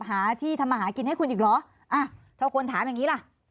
หาที่ทำมาหากินให้คุณอีกเหรออ่ะถ้าคนถามอย่างนี้ล่ะ